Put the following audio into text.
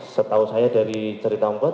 setahu saya dari cerita om kuat